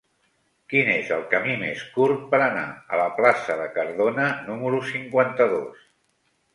Quin és el camí més curt per anar a la plaça de Cardona número cinquanta-dos?